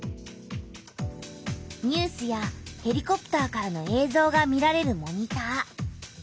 ニュースやヘリコプターからのえいぞうが見られるモニター。